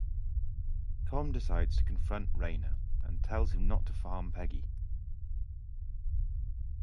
Tom decides to confront Raynor and tells him not to harm Peggy.